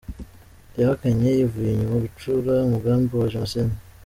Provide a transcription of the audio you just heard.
Yahakanye yivuye inyuma gucura umugambi wa jenoside.